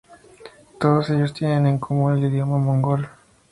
Todos ellos tienen en común el idioma mongol.